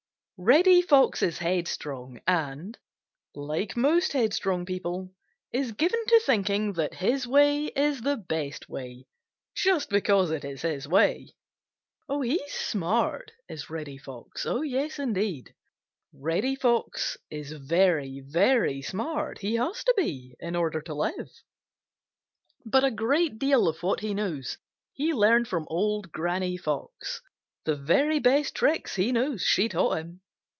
—Old Granny Fox. Reddy Fox is headstrong and, like most headstrong people, is given to thinking that his way is the best way just because it is his way. He is smart, is Reddy Fox. Yes, indeed, Reddy Fox is very, very smart. He has to be in order to live. But a great deal of what he knows he learned from Old Granny Fox. The very best tricks he knows she taught him.